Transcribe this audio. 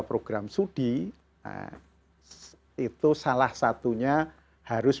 program studi itu salah satunya harus